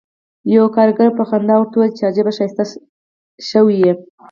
یوه کارګر په خندا ورته وویل چې عجب ښایسته شوی یې